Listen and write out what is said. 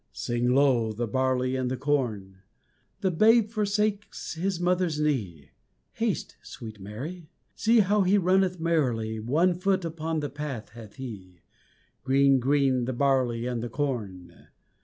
Sing low, the barley and the corn! The Babe forsakes His mother's knee, Haste, sweet Mary See how He runneth merrily, One foot upon the path hath He Green, green, the barley and the corn!